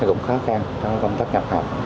nó cũng khó khăn trong công tác nhập học